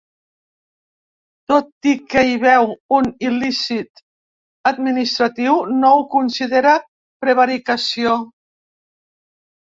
Tot i que hi veu un il·lícit administratiu, no ho considera prevaricació.